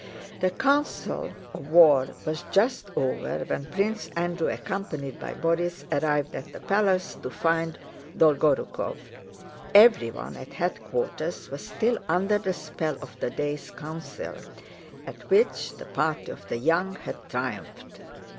The council of war was just over when Prince Andrew accompanied by Borís arrived at the palace to find Dolgorúkov. Everyone at headquarters was still under the spell of the day's council, at which the party of the young had triumphed.